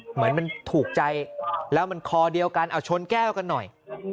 เหมือนมันถูกใจแล้วมันคอเดียวกันเอาชนแก้วกันหน่อย